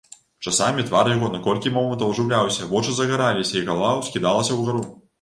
Часамі твар яго на колькі момантаў ажыўляўся, вочы загараліся і галава ўскідалася ўгару.